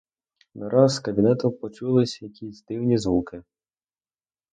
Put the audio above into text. Нараз з кабінету почулись якісь дивні звуки.